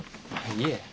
いえ。